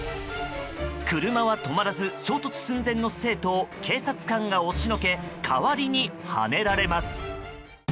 車は止まらず衝突寸前の生徒を警察官が押しのけ代わりに、はねられます。